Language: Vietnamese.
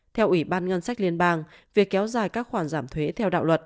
theo ủy ban ngân sách liên bang việc kéo dài các khoản giảm thuế theo đạo luật